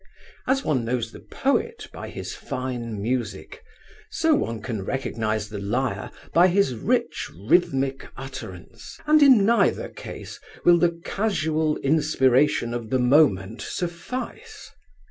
As one knows the poet by his fine music, so one can recognise the liar by his rich rhythmic utterance, and in neither case will the casual inspiration of the moment suffice.